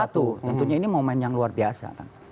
tentunya ini momen yang luar biasa